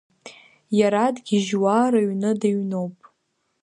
Иара дгьежьуа рыҩны дыҩноуп.